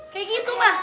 kayak gitu ma